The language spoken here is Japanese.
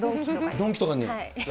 ドンキとかに？